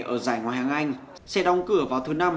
ở giải ngoại anh sẽ đóng cửa vào thứ năm